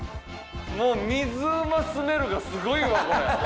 もう水うまスメルがすごいわこれ。